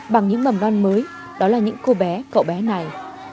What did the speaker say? bằng những mầm non mới đó là những cô bé cậu bé này